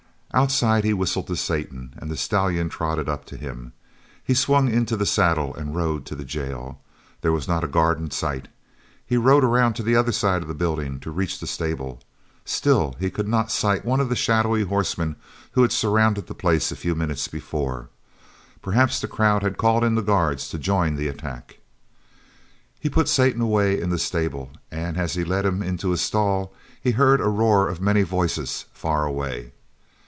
Outside he whistled to Satan, and the stallion trotted up to him. He swung into the saddle and rode to the jail. There was not a guard in sight. He rode around to the other side of the building to reach the stable. Still he could not sight one of those shadowy horsemen who had surrounded the place a few minutes before. Perhaps the crowd had called in the guards to join the attack. He put Satan away in the stable and as he led him into a stall he heard a roar of many voices far away.